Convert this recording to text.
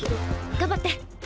頑張って！